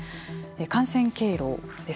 感染経路です。